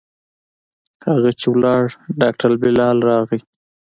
هغه چې ولاړ ډاکتر بلال راغى.